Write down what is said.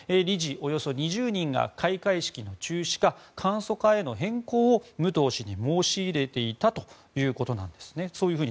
およそ２０人が開会式の中止か簡素化への変更を武藤氏に申し入れていたということなんです。